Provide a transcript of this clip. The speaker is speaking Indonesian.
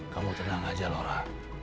kamu tenang aja laura